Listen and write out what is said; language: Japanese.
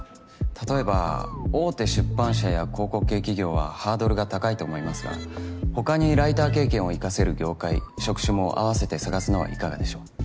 例えば大手出版社や広告系企業はハードルが高いと思いますが他にライター経験を生かせる業界職種も併せて探すのはいかがでしょう？